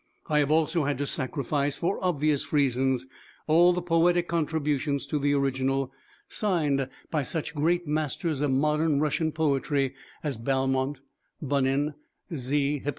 I have also had to sacrifice, for obvious reasons, all the poetic contributions to the original, signed by such great masters of modern Russian poetry as Balmont, Bunin, Z.